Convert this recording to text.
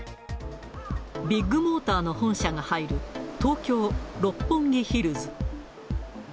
ビッグモーターの本社が入る、東京・六本木ヒルズ。